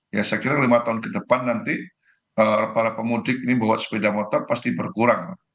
ya saya kira lima tahun ke depan nanti para pemudik ini bawa sepeda motor pasti berkurang